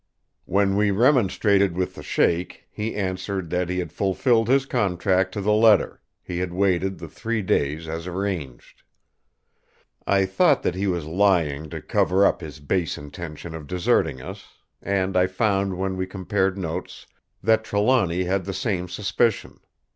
When we remonstrated with the Sheik, he answered that he had fulfilled his contract to the letter; he had waited the three days as arranged. I thought that he was lying to cover up his base intention of deserting us; and I found when we compared notes that Trelawny had the same suspicion.